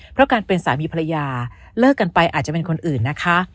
เพราะการเป็นสามีภรรยาเลิกกันไปอาจจะเป็นคนอื่นนะคะ